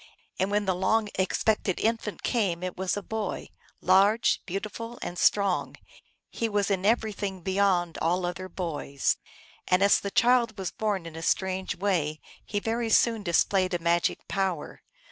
And when the long expected infant came it was a boy, large, beautiful, and strong ; he was in everything beyond all other boys. And as the child was born in a strange way, he very soon displayed a magic power.